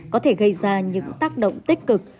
có thể gây ra những tác động tích cực